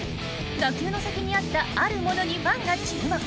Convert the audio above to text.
打球の先にあったあるものにファンが注目。